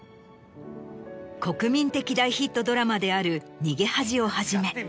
国民的大ヒットドラマである『逃げ恥』をはじめ。